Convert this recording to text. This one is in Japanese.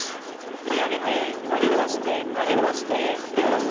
振り上げて曲げ伸ばして曲げ伸ばして振り下ろす。